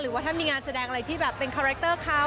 ว่าถ้ามีงานแสดงอะไรที่แบบเป็นคาแรคเตอร์เขา